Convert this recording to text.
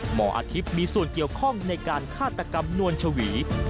หมออาทิตย์มีส่วนเกี่ยวข้องในการฆาตกรรมนวลชวี